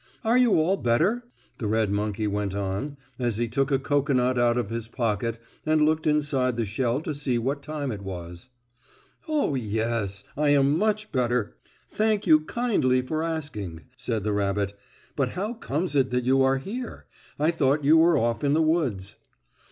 "Are you all better?" the red monkey went on, as he took a cocoanut out of his pocket and looked inside the shell to see what time it was. "Oh, yes, I am much better, thank you kindly for asking," said the rabbit. "But how comes it that you are here? I thought you were off in the woods."